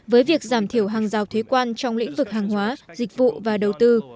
với việc giảm thiểu hàng rào thuế quan trong lĩnh vực hàng hóa dịch vụ và đầu tư